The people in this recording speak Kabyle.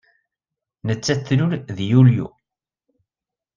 Nettat tlul deg Yulyu.